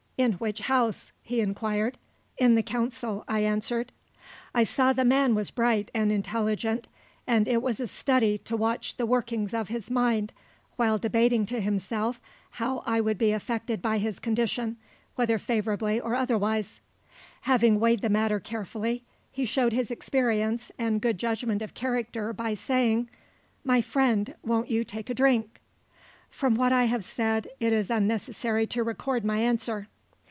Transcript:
"In which house?" he inquired. "In the council," I answered. I saw the man was bright and intelligent, and it was a study to watch the workings of his mind while debating to himself how I would be affected by his condition, whether favorably or otherwise. Having weighed the matter carefully, he showed his experience and good judgment of character by saying: "My friend, won't you take a drink?" From what I have said, it is unnecessary to record my answer.